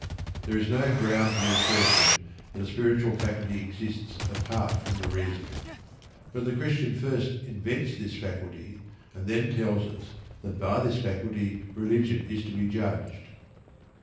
There is no ground for the assertion that a spiritual faculty exists apart from the reason. But the Christian first invents this faculty, and then tells us that by this faculty religion is to be judged.